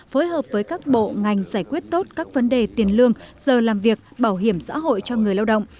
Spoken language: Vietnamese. phối hợp với các bộ ngành giải quyết tốt các vấn đề tiền lương giờ làm việc bảo hiểm xã hội cho người lao động